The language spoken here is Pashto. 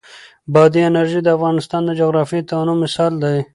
بادي انرژي د افغانستان د جغرافیوي تنوع مثال دی.